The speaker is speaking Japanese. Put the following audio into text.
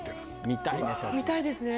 見たいですね。